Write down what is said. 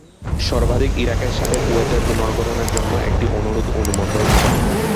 সর্বাধিক ইরাকের সাথে কুয়েতের পুনর্গঠনের জন্য একটি অনুরোধ অনুমোদন করে।